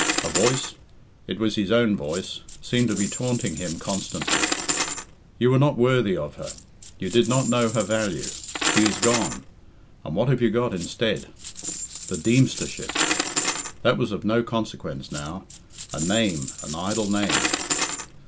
A voice it was his own voice seemed to be taunting him constantly: "You were not worthy of her. You did not know her value. She is gone; and what have you got instead!" The Deemstership! That was of no consequence now. A name, an idle name!